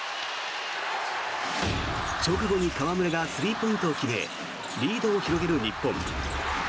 直後に河村がスリーポイントを決めリードを広げる日本。